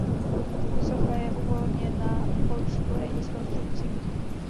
Socha je uvolněna od spojení s konstrukcí.